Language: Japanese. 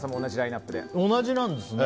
同じなんですね。